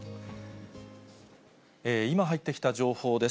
今入ってきた情報です。